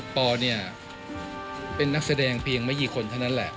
เพราะเนี่ยเป็นนักแสดงเพียงไม่มีคนขึ้นอาละ